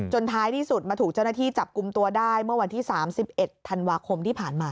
ท้ายที่สุดมาถูกเจ้าหน้าที่จับกลุ่มตัวได้เมื่อวันที่๓๑ธันวาคมที่ผ่านมา